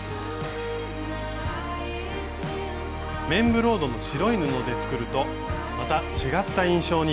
綿ブロードの白い布で作るとまた違った印象に。